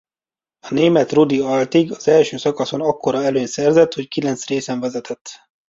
A német Rudi Altig az első szakaszon akkora előnyt szerzett hogy kilenc részen vezetett.